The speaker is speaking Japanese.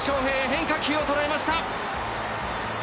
変化球をとらえました！